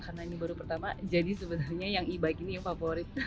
karena ini baru pertama jadi sebenarnya yang e bike ini yang favorit